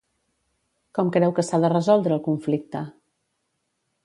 Com creu que s'ha de resoldre el conflicte?